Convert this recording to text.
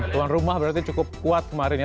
tuan rumah berarti cukup kuat kemarin ya